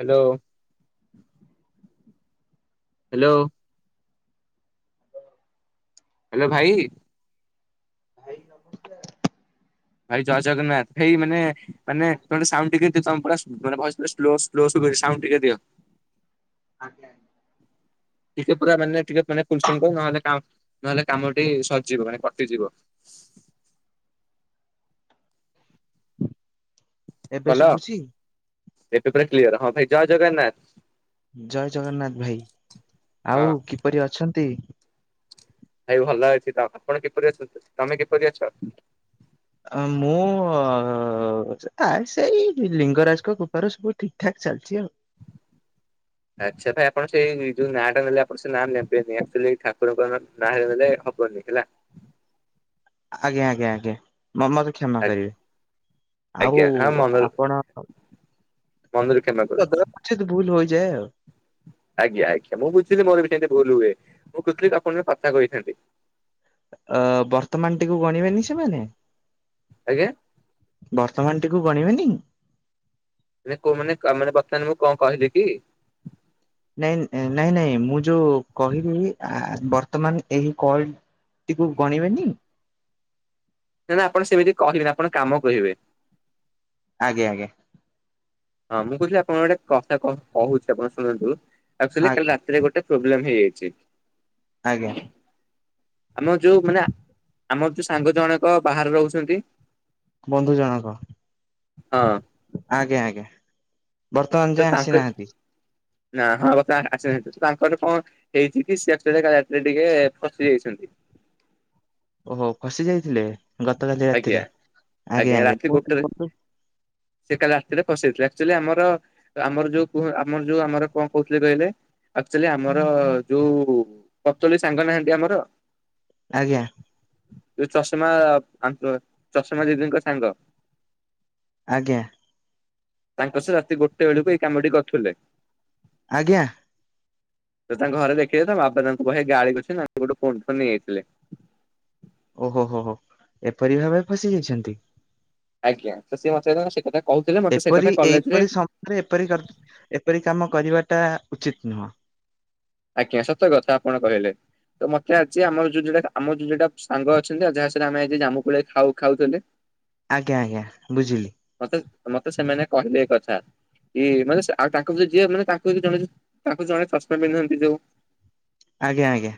Hello hello. Hello ଭାଇ। ଭାଇ ନମସ୍କାର। ଭାଇ ଜୟ ଜଗନ୍ନାଥ ଭାଇ ମାନେ ମାନେ ତମ ସାଉଣ୍ଡ ଟିକେ କିଛି ସମୟ ପୁରା ସୁବୁନି ଭଏସ ପୁରା ସ୍ଲୋ ସ୍ଲୋ ସୁ ସାଉଣ୍ଡ ଟିକେ ଦିଅ। ଆଜ୍ଞା। ଟିକେ ପୁରା ମାନେ ଟିକେ [unintelligible] ନହେଲେ ନହେଲେ କାମ ଟି ସଜଯିବ ମାନେ କଟିଯିବ। [inaudible] ଏବେ କଲ ଶୁଭୁଛି? ଏବେ ପୁରା କ୍ଲିୟର ହଁ ଭାଇ ଜୟ ଜଗନ୍ନାଥ। ଜୟ ଜଗନ୍ନାଥ ଭାଇ। ହଁ ଆଉ କିପରି ଅଛନ୍ତି? ଭାଇ ଭଲ ଅଛି ତ। ଆପଣ କିପରି ଅଛ, ତମେ କିପରି ଅଛ? ମୁଁ ସେଟା ସେଇ ଲିଙ୍ଗରାଜଙ୍କ କୃପାରୁ ସବୁ ଠିକ ଠାକ୍ ଚାଲଛି ଆଉ। ଆଚ୍ଛା ଭାଇ ଆପଣ ସେଇ ଯୋଉ ନାଁ ଟା ନେଲେ ଆପଣ ସେଁ ନେବେନି। ଆକଚୁଆଲି ଠାକୁରଙ୍କ ନାଁରେ ନେଲେ ହବନି ହେଲା। ଆଜ୍ଞା ଆଜ୍ଞା ଆଜ୍ଞା। ମ ମତେ କ୍ଷମା କରିବେ। ଆଉ ଆଜ୍ଞା ହଁ ମନରୁ ଆପଣ ମନରୁ କ୍ଷମା କରୁଛି। ଯେଉଁ। [inaudible] ଆଜ୍ଞା ଆଜ୍ଞା ମୁଁ ବୁଝିଲି ମୋର ବି ସେମତି ଭୁଲ ହୁଏ ମୁଁ କହୁଥିଲି ଆପଣ କଥା କହିଥାନ୍ତି। ଅ ବର୍ତ୍ତମାନ ଟିକୁ ଗଣିବେନି ସେମାନେ ଆଜ୍ଞା ବର୍ତ୍ତମାନେ ଟିକୁ ଗଣିବେନି? ମେ କୋଉ ମାନେ କାନରେ କଥା ବର୍ତ୍ତମାନ ମୁଁ କଣ କହିଲି କି? ନାଇଁ ନାଇଁ ନାଇଁ ମୁଁ ଯୋଉ କହିବି ଆ ବର୍ତ୍ତମାନ ଏହି କଲ ଟିକୁ ଗଣିବେନି? ତେଣୁ ଆପଣ ସେମିତି କହିବେନି। ଆପଣ କାମ କହିବେ। ଆଜ୍ଞା ଆଜ୍ଞା। ହଁ ମୁଁ କହୁଥିଲି ଆପଣ ଗୋଟେ କଥା କଣ କହୁଛି ଆପଣ ଶୁଣନ୍ତୁ। ଆକଚୁଆଲି କାଲି ଆଜ୍ଞା ରାତିରେ ଗୋଟେ ପ୍ରୋବ୍ଲେମ ହେଇଯାଇଛି। ଆଜ୍ଞା ଆମ ଯୋଉ ମାନେ ଆମର ଯୋଉ ସାଙ୍ଗ ଜଣକ ବାହାରେ ରହୁଛନ୍ତି ବନ୍ଧୁ ଜଣକ। ହଁ ଆଜ୍ଞା ଆଜ୍ଞା। ବର୍ତ୍ତମାନ ତ ଯାଏ ତାଙ୍କ ଆସିନାହାନ୍ତି। ନା ହଁ ବା ଆସିନାହାନ୍ତି ତ ତାଙ୍କର କଣ ହେଇଛି କି ସେ ଆକଚୁଆଲି କାଲି ରାତିରେ ଟିକେ ଫସି ଯାଇଛନ୍ତି। [inaudible] ଓହୋ। ଖସି ଯାଇଥିଲେ? ଗତକାଲି ଆଜ୍ଞା ରାତିରେ। ଆଜ୍ଞା ରାତିରେ ଗୋଟେରେ ସେ କାଲି ରାତିରେ ଫସେଇଥିଲେ। ଆକଚୁଆଲି ଆମର ଆମର ଯୋଉ ଆମର ଯୋଉ ଆମର କଣ କହୁଥିଲେ କହିଲେ ଆଚୁଆଲି ଆମର ଯୋଉ ପତଳୀ ସାଙ୍ଗ ନାହାନ୍ତି। ଆମର ଆଜ୍ଞା ଯଉ ଚଷମା, ଚଷମା ଦିଦିଙ୍କ ସାଙ୍ଗ। ଆଜ୍ଞା। ତାଙ୍କ ସେ ରାତି ଗୋଟେ ବେଳକୁ ଏଇ କାମଟି କରୁଥିଲେ। ଆଜ୍ଞା। ତ ତାଙ୍କ ଘରେ ଦେଖିଲେ ତ ବାପା ତାଙ୍କୁ ବହେ ଗାଳି କରିଛନ୍ତି। ତାଙ୍କଠୁ ଫୋନ୍ ଫୋନ୍ ନେଇଯାଇଥିଲେ। [inaudible] ଓହୋ ହୋ ହୋ ଏପରି ଭାବେ ଫସି ଯାଇଛନ୍ତି? ଆଜ୍ଞା [unintelligible] ସେ କଥା ଏପରି କଲେଜରେ ଏପରି ସମୟରେ ଏପରି, ଏପରି କାମ କରିବା ଟା ଉଚିତ ନୁହଁ। ଆଜ୍ଞା ସତ କଥା ଆପଣ କହିଲେ। ତ ମତେ ଅଛି ଆମର ଯୋଉତା ଆମ ଯୋଉଟା ସାଙ୍ଗ ଅଛନ୍ତି, ଯାହା ସାଙ୍ଗରେ ଆଜି ଆମେ ଜାମୁକୋଳି ଖାଉ ଖାଉଥିଲେ। ଆଜ୍ଞା ଆଜ୍ଞା ବୁଝିଲି। ମତେ ମତେ ସେମାନେ କହିଲେ ଏକଥା। ଏ ଇଏ ମାନେ ଆଉ ତାକୁ ଯି ମାନେ ତା ଜଣେ ତାକୁ ଜଣେ ଚସମା ପିନ୍ଧନ୍ତି ଯୋଉ ଆଜ୍ଞା ଆଜ୍ଞା।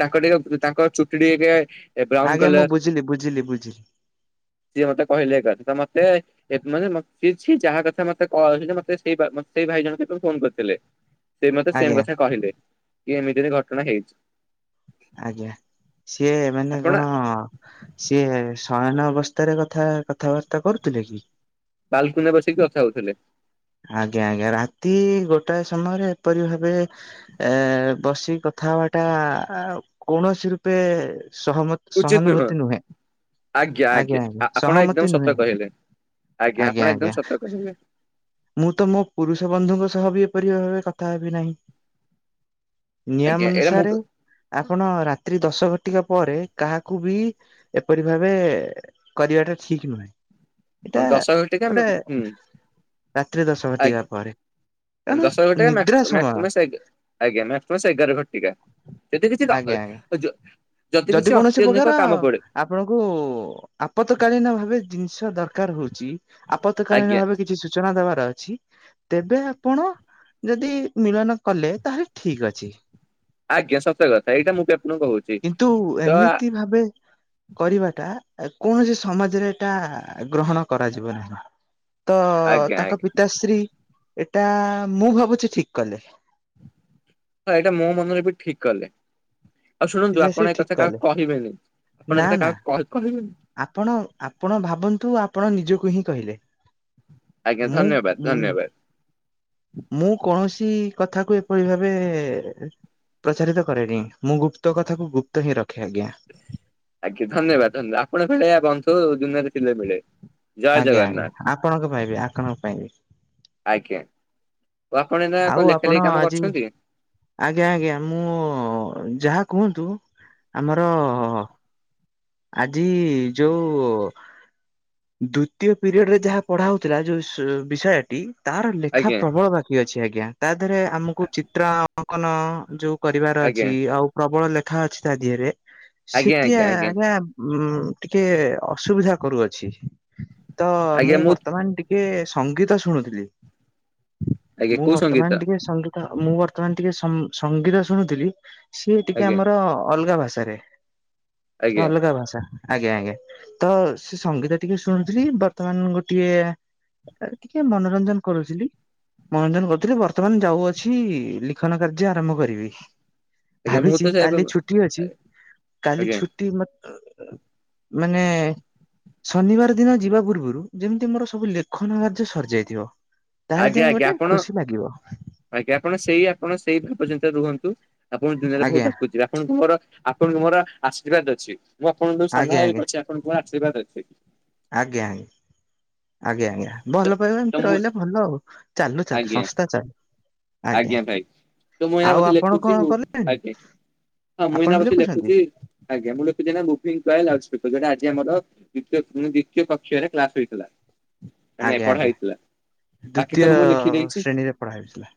ତାଙ୍କ ଟିକେ ତାଙ୍କ ଚୁଟି ଟିକେ ଏ ବ୍ରାଉନ ଆଜ୍ଞା ମୁଁ କଲର, ବୁଝିଲି ବୁଝିଲି ବୁଝିଲି। ସିଏ ମତେ କହିଲେ ଏ କଥା ତମର ମାନେ କିଛି ଯାହା କଥା ମତେ କାଉ ମତେ ସେ ସେଇ ଭାଇ ଜଣଙ୍କ ଫୋନ କରିଥିଲେ। ସେ ମତେ ସେମ ଆଜ୍ଞା କଥା କହିଲେ, କି ଏମିତିରେ ଘଟଣା ହେଇଛି। ଆଜ୍ଞା ସିଏ ମାନେ ଆପଣ କଣ ସିଏ ସ ପ୍ରଣୟନ ଅବସ୍ଥାରେ କଥା କଥାବାର୍ତ୍ତା କରୁଥିଲେ କି? ବାଲକୁନେ ବସେଇକି କଥା ହଉଥିଲେ। ଆଜ୍ଞା ଆଜ୍ଞା ରାତି ଗୋଟାଏ ସମୟରେ ଏପରି ଭାବେ ଏ ବସିକି କ କଥା ହବାଟା କୌଣସି ରୂପେ ସହମ ଉଚିତ ନୁହଁ ସହାନୁଭୂତି ନୁହେଁ। ଆଜ୍ଞା ଆଜ୍ଞା! ଆପଣ ଏକଦମ ସହମତି ସତ ନୁହେଁ, କହିଲେ। ଆପଣ ଆଜ୍ଞା ଏକଦମ ଆଜ୍ଞା। ସତ କହିଲେ ମୁଁ ତ ମୋ ପୁରୁଷ ବନ୍ଧୁଙ୍କ ସହ ବି ଏପରି ଭାବେ କଥା ହେବି ନାହିଁ। ଆଜ୍ଞା ନିୟମ ଏଇଟା ମୁଁ ଅନୁସାରେ ଆ ଆପଣ ରାତ୍ରି ଦଶ ଘଟିକା ପରେ କାହାକୁ ବି ଏପରି ଭାବେ କରିବାଟା ଠି ଠିକ ନୁହେଁ ଏଇଟା ଦଶ ଘଟିକା ଗୋଟେ ହୁଁ ରାତ୍ରି ଦଶ ଘଟିକା ଆଜ୍ଞା ପରେ। କାରଣ ଦଶ ଘଟିକା ନିଦ୍ରା ସମୟ [unintelligible] ଆଜ୍ଞା [unintelligible] ଏଗାର ଘଟିକା। ଆଜ୍ଞା ଆଜ୍ଞା [unintelligible] ଯଦି କୌଣସି ଅତ୍ୟଧିକ ପ୍ରକାର କାମ ପଡେ ଆପଣଙ୍କୁ ଆପତକାଳୀନ ଭାବେ ଜିନିଷ ଜିନଷ ଦରକାର ହଉଛି ଆପତକାଳୀନ ଆଜ୍ଞା ଭାବେ କିଛି ସୂଚନା ଦବା ଅଛି ତେବେ ଆପଣ ଯଦି ମିଳନ କଲେ, ତାହେଲେ ଠିକ ଅଛି। ଆଜ୍ଞା ସତ କଥା ଏଇଟା ମୁଁ ବି ଆପଣଙ୍କୁ କହୁଛି। କିନ୍ତୁ ତ ଏମିତି ଭାବେ କରିବାଟା କୌଣସି ସମାଜରେ ଏଇଟା ଗ୍ରହଣ କରାଯିବ ନାହିଁ। ତ ଆଜ୍ଞା ତାଙ୍କ ଆଜ୍ଞା ପିତାଶ୍ରୀ ଏଟା ମୁଁ ଭାବୁଛି ଠିକ କଲେ। ହ ଏଇଟା ମୋ ମନରେ ବି ଠିକ କଲେ, ଆଉ ଶୁଣନ୍ତୁ ପିତାଶ୍ରୀ ଆପଣ ଏ ଠିକ କଥା କଲେ କାହାକୁ କହିବେନି। ଆପଣ ନା ଏକଥା ନା କାହାକୁ କହି କହିବେନି ଆପଣ, ଆପଣ ଭାବନ୍ତୁ ଆପଣ ନିଜକୁ ହିଁ କହିଲେ। ଆଜ୍ଞା, ଧନ୍ୟବାଦ, ମୁଁ ଧନ୍ୟବାଦ। ମୁଁ କୌଣସି କଥାକୁ ଏପରି ଭାବେ ପ୍ରଚାରିତ କରେନି ମୁଁ ଗୁପ୍ତ କଥାକୁ ଗୁପ୍ତ ହିଁ ରଖେ। ଆଜ୍ଞା। ଆଜ୍ଞା ଧନ୍ୟବାଦ ଆପଣଙ୍କ ଭଳି ବନ୍ଧୁ ଦୁନିଆରେ ଥିଲେ ମିଳେ। ଜୟ ଆଜ୍ଞା ଆଜ୍ଞା ଜଗନ୍ନାଥ ଆପଣଙ୍କ ପାଇଁବି ଆପଣଙ୍କ ପାଇଁବି। ଆଜ୍ଞା। ଓ ଆପଣ ଏଇନା କଣ ଆଉ ଲେଖା ଲେଖି ଆପଣ କାମ ଆଜି କରୁଛନ୍ତି ଆଜ୍ଞା ଆଜ୍ଞା, ମୁଁ ଯାହା କୁହନ୍ତୁ, ଆମର ଆଜି ଯୋଉ ଦ୍ଵିତୀୟ ପିରିୟଡରେ ଯାହା ପଢା ହଉଥିଲା ଯୋଉ ବିଷୟଟି ତାର ଲେଖା ଆଜ୍ଞା ପ୍ରବଳ ବାକି ଅଛି। ଛି ଆଜ୍ଞା ତା ଦେହରେ ଆମକୁ ଚିତ୍ର ଅଙ୍କନ ଯୋଉ କରିବାର ଆଜ୍ଞା ଅଛି, ଆଉ ପ୍ରବଳ ଲେଖ କଥା ଅଛି ତା ଦେହରେ ସେଠି ଆଜ୍ଞା ଉଁ ଟିକେ ଅସୁବିଧା କରୁଅଛି। ତ ମୁଁ ବର୍ତ୍ତମାନ ଟିକେ ସଙ୍ଗୀତ ଶୁଣୁଥିଲି। ଆଜ୍ଞା ମୁଁ କୋଉ ବର୍ତ୍ତମାନ ସଙ୍ଗୀତ ଟିକେ ସଙ୍ଗୀତ ମୁଁ ବର୍ତ୍ତମାନ ଟିକେ ସଂ-ସଙ୍ଗୀତ ଶୁଣୁଥିଲି। ସିଏ ଟିକେ ଆଜ୍ଞା ଆମର ଅଲଗା ଭାଷାରେ ସେ ଆଜ୍ଞା ଅଲଗା ଭାଷା। ଆଜ୍ଞା ଆଜ୍ଞା ତ ସେ ସଙ୍ଗୀତ ଟିକେ ଶୁଣୁଥିଲି ବର୍ତ୍ତମାନ ଗୋଟିଏ ଟିକେ ମନରଞ୍ଜନ କରୁଥିଲି। ମନରଞ୍ଜନ କରୁଥିଲି ବର୍ତ୍ତମାନ ଯାଉଅଛି ଲିଖନ କାର୍ଯ୍ୟ ଆରମ୍ଭ କରିବି। ଆଜ୍ଞା ମୁଁ ତ ଭାବିଚି ସେ କାଲି ଛୁଟି ଅଛି କାଲି ଆଜ୍ଞା ଛୁଟି ମ [unintelligible] ମାନେ ଶନିବାର ଦିନ ଯିବା ପୂର୍ବରୁ ଯେମିତି ମୋର ସବୁ ଲେଖନ କାର୍ଯ୍ୟ ସରିଯାଇଥିବ। ତାହେଲେ ଆଜ୍ଞା ଯାଇ ଆଜ୍ଞା ଗୋଟେ ଆପଣ ଖୁସି ଲାଗିବ ଆଜ୍ଞା ଆପଣ ସେଇ ଆପଣ ସେଇ ଭାବ ସହିତ ରୁହନ୍ତୁ। ଆପଣ ଦୁନିଆଁରେ ବୋହୁତ ଆଜ୍ଞା ଆଗକୁ ଯିବେ। ଆପଣଙ୍କୁ ମୋର ଆପଣଙ୍କ ମୋର ଆଶୀର୍ବାଦ ଅଛି। ମୁଁ ଆପଣଙ୍କ ସାନ ଆଜ୍ଞା ଭାଇ ଆଜ୍ଞା ଅଛି। ଆପଣଙ୍କ ଆଶୀର୍ବାଦ ଅଛି। ଆଜ୍ଞା ଆଜ୍ଞା ଆଜ୍ଞା ଆଜ୍ଞା ଭଲ ପାଇବା ତ ଏମିତି ମୁଁ ରହିଲେ ଭଲ ଆଉ। ଚାଲୁ ଚାଲୁ ଆଜ୍ଞା ସଂସ୍ଥା ଚାଲୁ। ଆଜ୍ଞା ଭାଇ ତୁ ମୁଁ ଏଇନା ଆଉ ବସିକି ଆପଣ ଲେଖୁଛି କଣ ମୁଁ କଲେ ଆଜ୍ଞା। ହଁ ମୁଇଁ ଆପଣ ନା ବି ବସି ଲେଖୁଛନ୍ତି ଲେଖୁଚି ଆଜ୍ଞା ମୁଁ ଲେଖୁଚି ଏଇନା ମୁଭିଙ୍ଗ ପ୍ରାୟେ ଲଞ୍ଚ ସେ ପଇସା ଟା ଆଜି ଆମର ଦୀୟ ଦ୍ଵିତୀୟ ପକ୍ଷରେ କ୍ଲାସ ହୋଇଥିଲା। ମାନେ ଆଜ୍ଞା ପଢା ଆଜ୍ଞା। ହେଇଥିଲା। ବାକି ଦ୍ଵିତୀୟ ସବୁ ମୁଁ ଲେଖି ଦେଇଛି ଶ୍ରେଣୀରେ ପଢା ହେଉଥିଲା।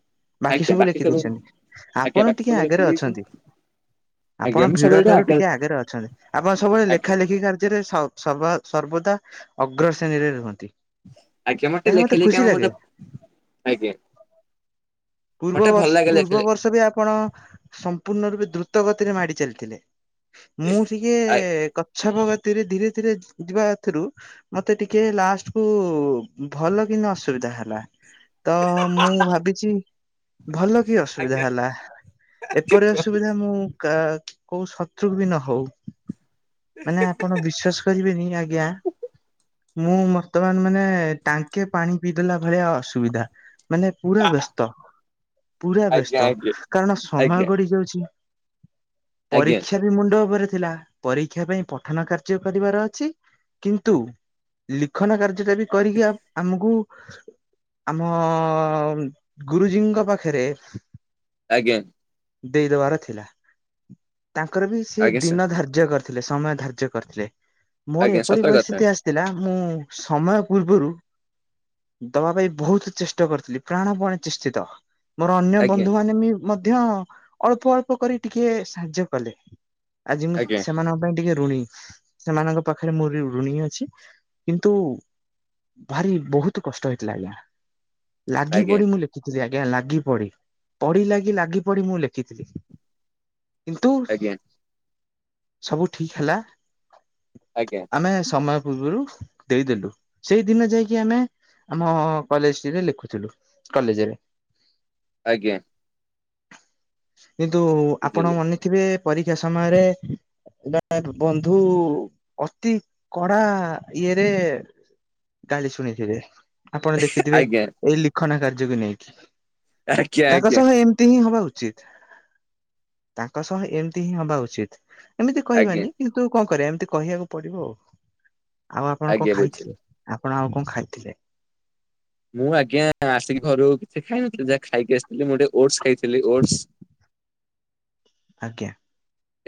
ବାକି ସବୁ ଲେଖି ଦେଇଛନ୍ତି ଆଜ୍ଞା ଆପଣ ବାକି ଟିକେ ସବୁ ଲେଖି ଆଗରେ ଦେଇଛି। ଅଛନ୍ତି। ଆଜ୍ଞା ଆପଣ ମୁଁ ଭିଡ ସବୁବେଳେ ଠାରୁ ଆଜ୍ଞା ଟିକେ ଆଗରେ ଅଛନ୍ତି ଆପଣ ସବୁବେଳେ ଆଜ୍ଞା ଲେଖା ଲେଖି କାର୍ଯ୍ୟରେ ସ ସବା ସର୍ବଦା ଅଗ୍ର ଶ୍ରେଣୀରେ ରୁହନ୍ତି। ଆଜ୍ଞା ମୋତେ ଏହା ମତେ ଲେଖି ଲେଖିକା ଖୁସି ପା ଲାଗେ ମତେ ଆଜ୍ଞା। ପୂର୍ବ ମତେ ଭଲ ବର୍ଷ ଲାଗେ ଲେଖି ପୂର୍ବ ଲେଖି ବର୍ଷ ବି ଆପଣ ସମ୍ପୂର୍ଣ୍ଣ ରୂପେ ଦ୍ରୁ ତ ଗତିରେ ମାଡି ଚାଲିଥିଲେ ମୁଁ ଟିକେ ଆ କଛପ ଗ ତିରେ ଧୀରେ ଧୀରେ ଯିବା ଏଥୁରୁ ମତେ ଟିକେ ଲାଷ୍ଟ କୁ ଭଲ କିନ୍ତୁ ଅସୁବି ଧା ହେଲା ତ ମୁଁ ଭାବିଚି ଭଲ କି ଅସୁବିଧା ଆଜ୍ଞା ହେଲା ଏପରି ଅସୁବିଧା ମୁଁ କା କୋଉ ଶତ୍ରୁକୁ ବି ନହୋଉ। ମାନେ ଆପଣ ବିଶ୍ଵାସ କରିବେନି ଆଜ୍ଞା। ମୁଁ ବର୍ତ୍ତମାନ ମାନେ ଟାଙ୍କେ ପାଣି ପିଇଦେଲା ଭଳିଆ ଅସୁବିଧା ମାନେ ପୁରା ବ୍ୟସ୍ତ। ପୁରା ଆଜ୍ଞା ବ୍ୟସ୍ତ ଆଜ୍ଞା କାରଣ ସମୟ ଆଜ୍ଞା ଗଢଡିି ଯାଉଛି। ଆଜ୍ଞା ପରୀକ୍ଷା ବି ମୁଣ୍ଡ ଉପରେ ଥିଲା ପରୀକ୍ଷା ପାଇଁ ପଠନ କାର୍ଯ୍ୟ କରିବାର ଅଛି କିନ୍ତୁ ଲିଖନ କାର୍ଯ୍ୟ ଯୋଉଟା ବି କରିକି ଆମକୁ ଆମ ଗୁରୁଜୀ ଙ୍କୁ ଙ୍କ ପାଖରେ ଆଜ୍ଞା। ଦେଇଦବାର ଥିଲା ତାଙ୍କର ବି ସେ ଆଜ୍ଞା ସାର୍ ଦିନ ଧାର୍ଯ୍ୟ କରି ଥିଲେ ସମୟ ଧାର୍ଯ୍ୟ କରିଥିଲେ ମୋର ଆଜ୍ଞା ସତ ଏପରି କଥା ପରିସ୍ଥିତି ଆସିଥିଲା ମୁଁ ସମୟ ପୂର୍ବରୁ ଦବା ପାଇଁ ବହୁତ ଚେଷ୍ଟା କରିଥିଲି ପ୍ରାଣପଣେ ଚିଷ୍ଟିତ ମୋର ଅନ୍ୟ ଆଜ୍ଞା ବନ୍ଧୁ ମାନ ବି ମଧ୍ୟ ଅଳ୍ପ ଅଳ୍ପ କରି ଟିକେ ସାହାଯ୍ୟ କଲେ ଆଜି ମୁଁ ଆଜ୍ଞା ସେମାନଙ୍କ ପାଇଁ ଟିକେ ଋଣୀ ସେମାନଙ୍କ ପାଖରେ ମୋର ବି ଋଣୀ ଅଛି କିନ୍ତୁ ଭାରି ବହୁତ କଷ୍ଟ ହେଇଥିଲା ଆଜ୍ଞା ଲାଗି ଆଜ୍ଞା ପଡି ମୁଁ ଲେଖିଥିଲି ଆ ଆଜ୍ଞା ଲାଗି ପଡି ପଡି ଲାଗି ଲାଗି ପଡି ମୁଁ ଲେଖିଥିଲି। କିନ୍ତୁ ଆଜ୍ଞା ସବୁ ଠିକ ହେଲା ଆଜ୍ଞା ଆମେ ସମୟ ପୂର୍ବରୁ ଦେଇଦେଲୁ ସେଇଦିନ ଯାଇକି ଆମେ ଆମ କଲେଜ ଟିରେ ଲେଖୁଥିଲୁ କଲେଜରେ ଆଜ୍ଞା। କିନ୍ତୁ ଆପଣ ବୁଝିଲେ ମନେଥିବେ, ପରୀକ୍ଷା ସମୟରେ ଏ ବନ୍ଧୁ ଅତି କଡା ଇଏରେ ଗାଲି ଶୁଣିଥିବେ ଆପଣ ଦେଖିଥିବେ, ଆଜ୍ଞା ଏଇ ଲିଖନ କାର୍ଯ୍ୟକୁ ନେଇକି ଆଜ୍ଞା ତାଙ୍କ ଆଜ୍ଞା ସହ ଏମିତି ହିଁ ହବା ଉଚିତ। ଉଚିତ୍ ତାଙ୍କ ସହ ଏମିତି ହିଁ ହବା ଉଚିତ, ଏମିତି ଆଜ୍ଞା କହିବାନି କିନ୍ତୁ କଣ କରିବା ଏମିତି କହିବାକୁ ପଡିବ, ଆଉ ଆଉ ଆପଣ କଣ ଆଜ୍ଞା ବୁଝିଲି ଖାଇଥିଲେ ଆପଣ କଣ ଆଉ କଣ ଖାଇଥିଲେ ମୁଁ ଆଜ୍ଞା ଆସିକି ଘରୁ କିଛି ଖାଇନଥିଲି, ଯାହା ଖାଇକି ଆସିଥିଲି ମୁଁ ଓଟସ୍ ଖାଇଥିଲି। Feel [unintelligible] oats. ଆଜ୍ଞା।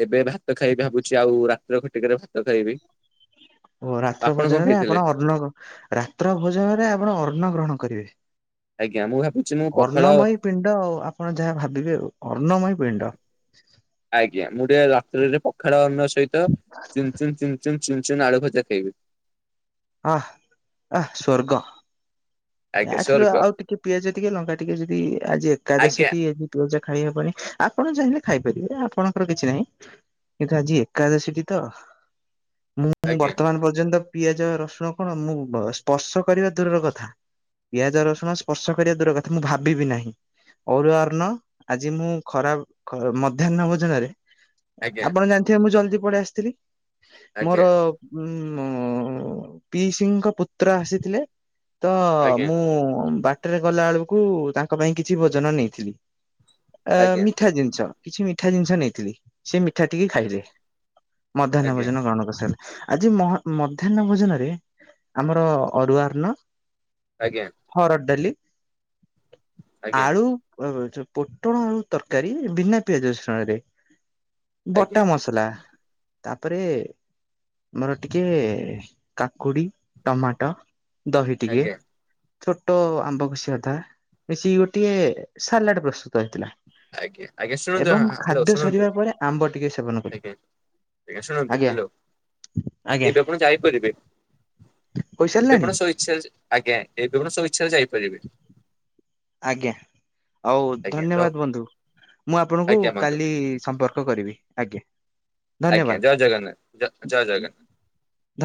ଏବେ ଭାତ ଖାଇବି ଭାବୁଛି ଆଉ ରାତି ଖଟିକାରେ ଭାତ ଖାଇବି। ଓ ରାତ୍ର ଆପଣ କଣ ଭୋଜନରେ, ଖାଇଥିଲେ? ଆପଣ ଅନ୍ନ ରାତ୍ର ଭୋଜନରେ ଆପଣ ଅନ୍ନ ଗ୍ରହଣ କରିବେ। ଆଜ୍ଞା ମୁଁ ଭାବୁଛି ମୁଁ ପଖାଳ ଅର୍ଣ୍ଣମୟୀ ପିଣ୍ଡ ଆଉ ଆପଣ ଯାହା ଭାବିବେ, ଅର୍ଣ୍ଣମୟୀ ପିଣ୍ଡ। ଆଜ୍ଞ ମୁ ତିକେ ରୀରେ ପଖାଳ ଅନ୍ନ ସହିତ ଚୁନ ଚଚୁ ଚୁଚୁନ ଆଳୁ ଭଜା ଖାଇବି। ଆଃ ଆଃ ସ୍ବର୍ଗ। ଆଜ୍ଞା ଏଠାରୁ ସ୍ୱର୍ଗ। ଆଉ ଟିକେ ପିଆଜ ଟିକେ ଲଙ୍କା ଟିକେ ଯଦି ଆଜି ଏକାଦଶୀ ଆଜ୍ଞା ଟି ପିଆଜ। ଖାଇହବନି ଆପଣ ଚାହିଁଲେ ଖାଇପାରିବେ, ଆପଣଙ୍କର କିଛି ନାହିଁ। ଏଇଟା ଆଜି ଏକାଦଶୀ ଠି ତ ମୁଁ ଆଜ୍ଞା ବର୍ତ୍ତମାନ ପର୍ଯ୍ୟନ୍ତ ପିଆଜ ରସୁଣ କଣ ମୁଁ ସ୍ପର୍ଶ କରିବା ଦୂରର କଥା। ପିଆଜ ର ଶୁଣ ସ୍ପର୍ଶ କରିବା ଦୂର କଥା, ମୁଁ ଭାବିବି ନାହିଁ ଅରୁ ଅର୍ଣ ଆଜି ମୁଁ ଖରାପ ମଧ୍ୟାହ୍ନ ଭୋଜନରେ ଆଜ୍ଞା ଆପଣ ଜାଣିଥିବେ ମୁଁ ଜଲଦି ପଳେଇ ଆସିଥିଲି, ଆଜ୍ଞା ମୋର ଉଁ ମୁଁ ପି ସିଂଙ୍କ ପୁତ୍ର ଆସିଥିଲେ ତ ଆଜ୍ଞା ମୁଁ ବା ବାଟରେ ଗଲା ବେଳକୁ ତାଙ୍କ ପାଇଁ କିଛି ଭୋଜନ ନେଇଥିଲି, ଅ ଆଜ୍ଞା ମିଠା ଜିନିଷ। କିଛି ମିଠା ଜିନିଷ ନେଇଥିଲି, ସେ ମିଠା ଟିକେ ହୁଁ ଖାଇଲେ। ମଧ୍ୟାହ୍ନ ଆଜ୍ଞା ଭୋଜନ ଗ୍ରହଣ କରିସାରିଲା ଆଜି ମଧ୍ୟାହନ ଭୋଜନରେ ଆମର ଅରୁଆର୍ଣ ଆଜ୍ଞା ହରଡ଼ ଡାଲି ଆଜ୍ଞା ଆଳୁ। ପୋଟଳ ଆଳୁ ତରକାରୀ ବିନା ପିଆଜ ରସୁଣ ରେ ଆଜ୍ଞା ବଟା ମସଲା ତାପରେ ମୋର ଟିକେ କାକୁଡି ଟମାଟୋ ଦହି ଟିକେ ଆଜ୍ଞା ଛୋଟ ଆମ୍ବ କସିିଆ ଅଦା [unintelligible] ହେଛି ଗୋଟିଏ ସାଲାଡ ପ୍ରସ୍ତୁତ ହେଇଥିଲା ଆଜ୍ଞା ଆଜ୍ଞା ଶୁଣନ୍ତୁ ଏବଂ ହ୍ୟାଲୋ ଖାଦ୍ୟ ଶୁଣନ୍ତୁ ସରିବା ପରେ ଆମ୍ବ ଟିକେ ସେବନ କଲେ। ଆଜ୍ଞା ଆଜ୍ଞା ଶୁଣନ୍ତୁ, ହ୍ୟାଲୋ ଆଜ୍ଞା ଏବେ ଆପଣ ଯାଇପାରିବେ। ଏବେ କହିସାରିଲାଣି ଆପଣ ସବିଚ୍ଛାରେ ଆଜ୍ଞା ଏବେ ଆପଣ ସବିଚ୍ଛାରେ ଯାଇପାରିବେ ଆଜ୍ଞା। ହଉ ଆଜ୍ଞା ର ଧନ୍ୟବାଦ ବନ୍ଧୁ, ମୁଁ ଆପଣଙ୍କୁ ଆଜ୍ଞା ବନ୍ଧୁ କାଲି ସମ୍ପର୍କ କରିବି ଆଞା। ଆଜ୍ଞା। ଜୟ ଜଗନ୍ନାଥ ଜୟ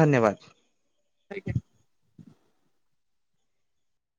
ଧନ୍ୟବାଦ। [unintelligible]